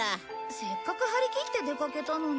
せっかく張り切って出かけたのに。